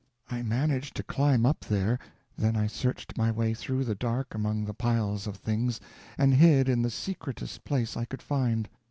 I managed to climb up there, then I searched my way through the dark among the piles of things, and hid in the secretest place I could find.